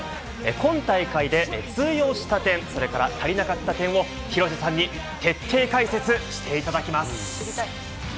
今大会で通用した点それから足りなかった点を廣瀬さんに徹底解説していただきます。